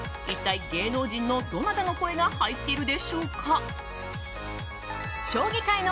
一体、芸能人のどなたの声が入っているでしょうか？